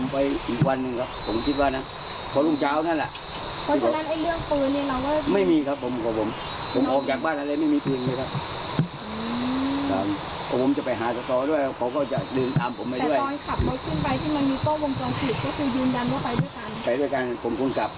ผมควรกลับครับไม่ใช่เขาไปดูก็ได้ครับ